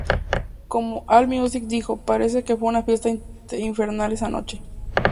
Como AllMusic dijo, "parece que fue una fiesta infernal esa noche.